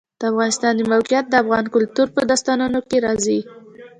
د افغانستان د موقعیت د افغان کلتور په داستانونو کې راځي.